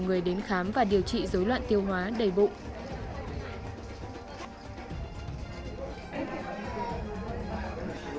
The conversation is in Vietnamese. người đến khám và điều trị rối loạn tiêu hóa đầy bụng ừ ừ ừ ừ ừ ừ ừ ừ ừ ừ ừ ừ